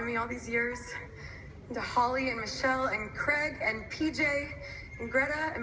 พ่อแม่และพี่ชายของเธอนะครับสเปนเซอร์